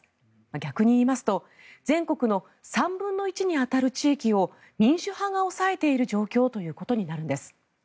逆に言いますと全国の３分の１に当たる地域を民主派が抑えている状況ということになるんです。